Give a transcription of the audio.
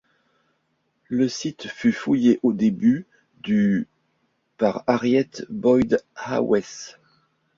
Le site fut fouillé au début du par Harriet Boyd-Hawes.